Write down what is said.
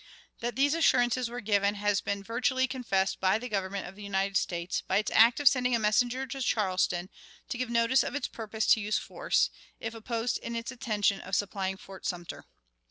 "That these assurances were given, has been virtually confessed by the Government of the United States, by its act of sending a messenger to Charleston to give notice of its purpose to use force, if opposed in its intention of supplying Fort Sumter.